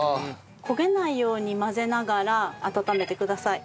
焦げないように混ぜながら温めてください。